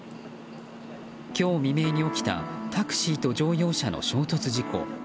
今日未明に起きたタクシーと乗用車の衝突事故。